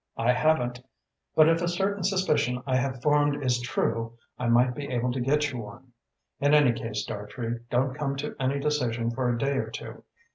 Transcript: "I haven't, but if a certain suspicion I have formed is true, I might be able to get you one. In any case, Dartrey, don't come to any decision for a day or two.